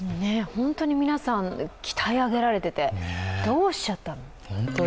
本当に皆さん、鍛え上げられててどうしちゃったのと。